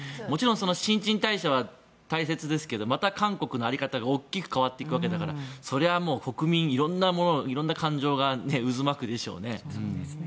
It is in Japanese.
新陳代謝は大切ですがまた韓国の在り方が大きく変わっていくわけだからそれはもう国民いろいろな感情が渦巻くでしょうね。